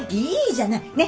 いいじゃない。